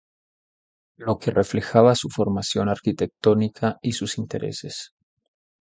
Lo que reflejaba su formación arquitectónica y sus intereses.